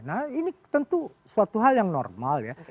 nah ini tentu suatu hal yang normal ya